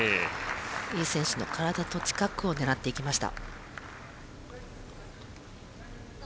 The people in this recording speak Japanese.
井選手の体の近くを狙っていきました。